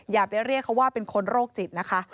อย่าไปเรียกเขาว่าเป็นคนโรคจิตนะคะ